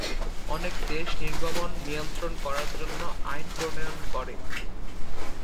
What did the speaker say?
অনেক দেশ নির্গমন নিয়ন্ত্রণ করার জন্য আইন প্রণয়ন করে।